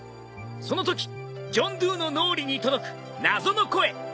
そのときジョンドゥーの脳裏に届く謎の声。